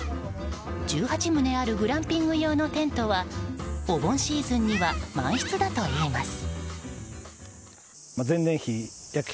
１８棟あるグランピング用のテントはお盆シーズンには満室だといいます。